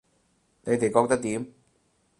你哋覺得點